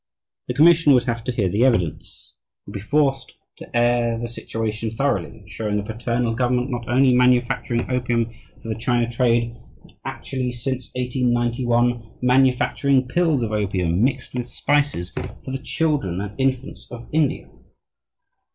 The commission would have to hear the evidence, would be forced to air the situation thoroughly, showing a paternal government not only manufacturing opium for the China trade, but actually, since 1891, manufacturing pills of opium mixed with spices for the children and infants of India.